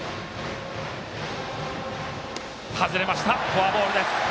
外れました、フォアボール。